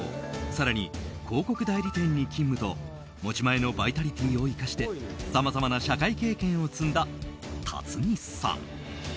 更に、広告代理店に勤務と持ち前のバイタリティーを生かしてさまざまな社会経験を積んだ立見さん。